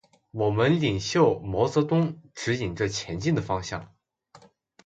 我们领袖毛泽东，指引着前进的方向。